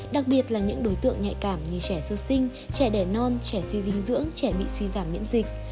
đặc biệt là những đối tượng nhạy cảm như trẻ sơ sinh trẻ đẻ non trẻ suy dinh dưỡng trẻ bị suy giảm miễn dịch